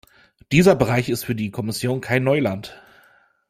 Dieser Bereich ist für die Kommission kein Neuland.